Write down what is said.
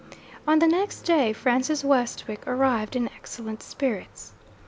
On the next day, Francis Westwick arrived in excellent spirits.